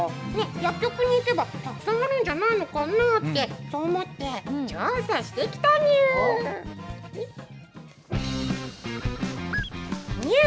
薬局に行けば、たくさんあるんじゃないのかなってそう思って調査してきたにゅ。にゅ。